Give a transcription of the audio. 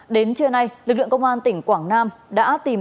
đến trưa nay lực lượng công an tỉnh quảng nam đã tìm